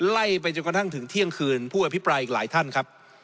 ไล่ไปจนกระทั่งถึงเที่ยงคืนผู้อภิปรายอีกหลายท่านครับ